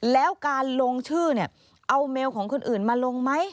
แล้วการลงชื่อเนี่ยเอาเมลของคนอื่นมาลงไหม